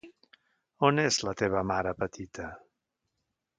On és la teva mare petita?